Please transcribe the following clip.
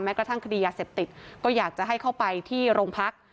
กระทั่งคดียาเสพติดก็อยากจะให้เข้าไปที่โรงพัก